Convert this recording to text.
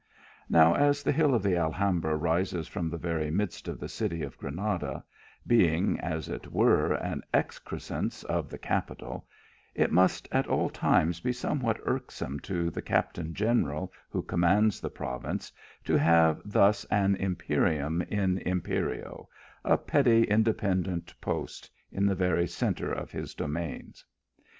Now, as the hill of the Alhambra rises from the very midst of the city of Granada, being, as it were, an excrescence of the capital, it must at aU times be somewhat irksome to the captain general who commands the province, to have thus an im penum in imperio, a petty independent post, in the very core of his domains.